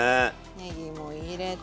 ねぎも入れて。